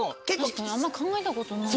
確かにあんま考えたことない。